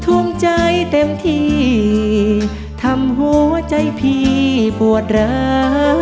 ทุ่มใจเต็มที่ทำหัวใจผีปวดเหล้า